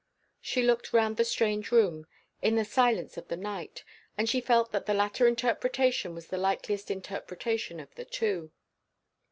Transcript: She looked round the strange room, in the silence of the night, and she felt that the latter interpretation was the likeliest interpretation of the two.